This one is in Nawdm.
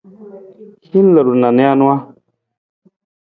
Hin ludu na nijanu.